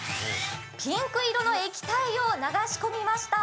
ピンク色の液体を流し込みました。